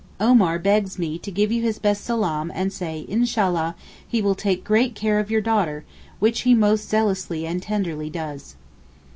Omar begs me to give you his best salaam and say, Inshallah, he will take great care of your daughter, which he most zealously and tenderly does.